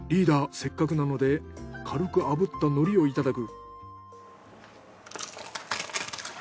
せっかくなので軽く炙った海苔をいただく。